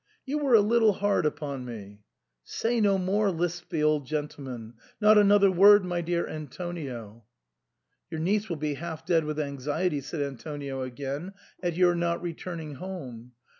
You were a little hard upon me "" Say no more,'* lisped the old gentleman, " not another word, my dear Antonio "" Your niece will be half dead with anxiety," said Antonio again, "at your not returning home.